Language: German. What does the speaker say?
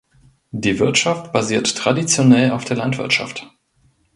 Die Wirtschaft basiert traditionell auf der Landwirtschaft.